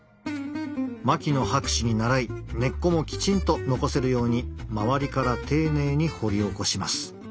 牧野博士に倣い根っこもきちんと残せるように周りから丁寧に掘り起こします。